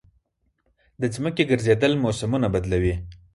د ځمکې ګرځېدل موسمونه بدلوي.